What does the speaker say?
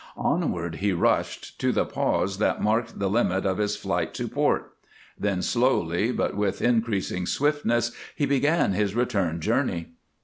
Onward he rushed, to the pause that marked the limit of his flight to port, then slowly, but with increasing swiftness, he began his return journey.